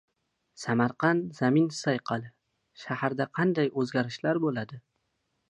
Samarqand — zamin sayqali. Shaharda qanday o‘zgarishlar bo‘ladi?